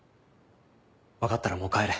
分かったらもう帰れ。